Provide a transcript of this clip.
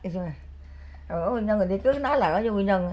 không có nguyên nhân thì cứ nói là có nguyên nhân